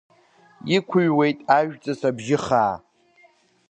Иқәыҩуеит ажәҵыс абжьыхаа…